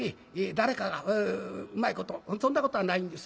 誰かがうまいことそんなことはないんです。